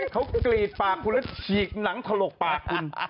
เขากรีดปากคุณแล้วฉีกหนังถลกปากคุณ